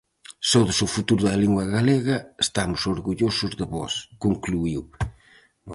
"Sodes o futuro da lingua galega, estamos orgullosos de vós", concluíu.